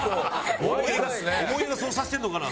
「思い出がそうさせてるのかな？」